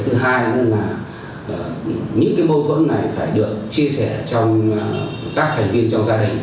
thứ hai là những mâu thuẫn này phải được chia sẻ cho các thành viên trong gia đình